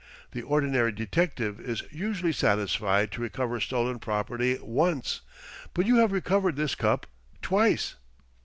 The ordinary detective is usually satisfied to recover stolen property once, but you have recovered this cup twice."